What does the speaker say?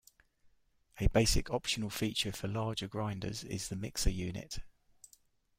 A basic optional feature for larger grinders is the mixer unit.